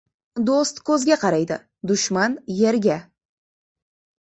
• Do‘st ko‘zga qaraydi, dushman — yerga.